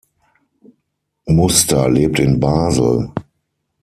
Muster lebt in Basel.